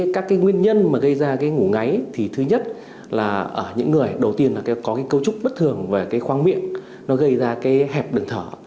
các nguyên nhân gây ra ngủ ngáy thì thứ nhất là những người đầu tiên có cấu trúc bất thường về khoang miệng nó gây ra hẹp đường thở